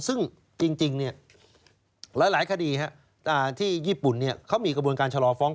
ซึ่งจริงหลายคดีที่ญี่ปุ่นเขามีกระบวนการชะลอฟ้อง